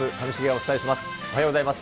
おはようございます。